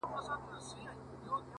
• دا ستا خبري مي د ژوند سرمايه،